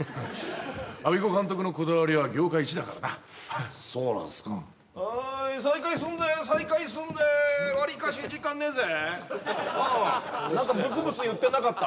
アビコ監督のこだわりは業界一だからなそうなんすかはい再開すんぜ再開すんぜわりかし時間ねえぜおう何かブツブツ言ってなかった？